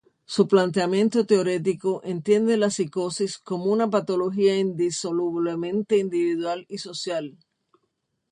Su planteamiento teórico entiende la psicosis como una patología indisolublemente individual y social.